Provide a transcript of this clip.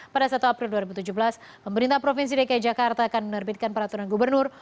pada satu april dua ribu tujuh belas pemerintah provinsi dki jakarta akan menerbitkan peraturan gubernur